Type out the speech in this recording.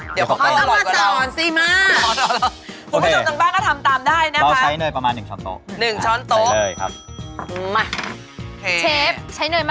ทำงานกันเหรอครับเตี๋ยวมาค่ะนะคะเริ่มเปิดเตาเลยเริ่ม